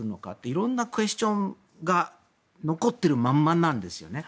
いろいろなクエスチョンが残っているままなんですよね。